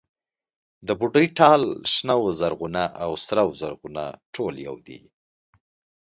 د بوډۍ ټال، شنه و زرغونه او سره و زرغونه ټول يو دي.